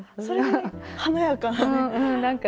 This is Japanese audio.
それで華やかな。